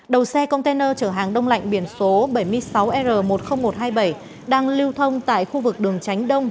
đầu xe container chở hàng đông lạnh biển số bảy mươi sáu r một mươi nghìn một trăm hai mươi bảy đang lưu thông tại khu vực đường tránh đông